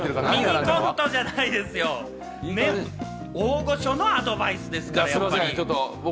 ミニコントじゃないですよ、大御所のアドバイスですから。